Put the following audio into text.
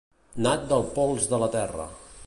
Nat del pols de la terra.